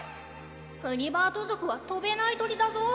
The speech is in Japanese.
プニバード族はとべない鳥だぞ？